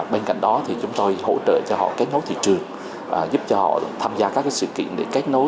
bên cạnh đó thì chúng tôi hỗ trợ cho họ kết nối thị trường giúp cho họ tham gia các sự kiện để kết nối